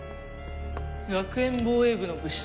学園防衛部の部室